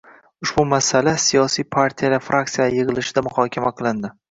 Ushbu masala siyosiy partiyalar fraksiyalari yigʻilishida muhokama qilindi.